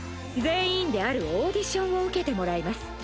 全員であるオーディションを受けてもらいます。